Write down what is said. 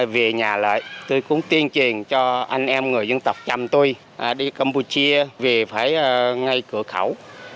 về nhà lại tôi cũng tuyên truyền cho anh em người dân tộc trăm tôi đi campuchia về phải ngay cửa khẩu